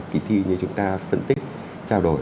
kỳ thi như chúng ta phân tích trao đổi